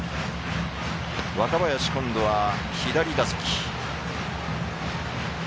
若林、今度は左打席。